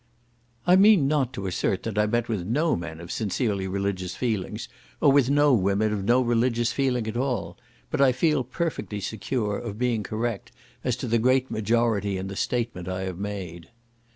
I mean not to assert that I met with no men of sincerely religious feelings, or with no women of no religious feeling at all; but I feel perfectly secure of being correct as to the great majority in the statement I have made.